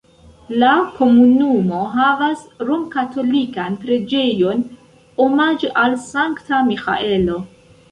La komunumo havas romkatolikan preĝejon omaĝe al Sankta Miĥaelo.